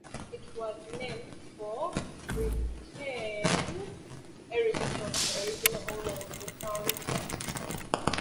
It was named for Christensen Erickson, the original owner of the town site.